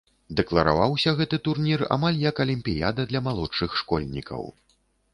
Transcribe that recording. Дэклараваўся гэты турнір амаль як алімпіяда для малодшых школьнікаў.